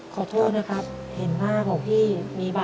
ครับ